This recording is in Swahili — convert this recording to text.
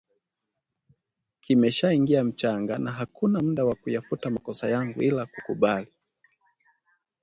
kimeshaingia mchanga na hakuna muda wa kuyafuta makosa yangu ila kukubali